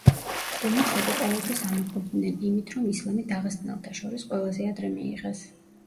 ყუმუხები ყოველთვის ამაყობდნენ იმით, რომ ისლამი დაღესტნელთა შორის ყველაზე ადრე მიიღეს.